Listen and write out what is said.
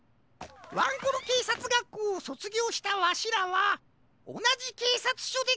ワンコロけいさつがっこうをそつぎょうしたわしらはおなじけいさつしょでけいじになったんじゃ。